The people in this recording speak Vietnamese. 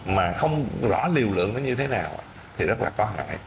mà không rõ liều lượng nó như thế nào thì rất là có hại